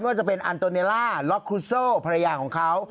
ว่าจะเป็นอันโตเนล่าล็อกคุโซ่ภรรยาของเขา